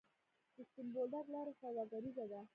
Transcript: د سپین بولدک لاره سوداګریزه ده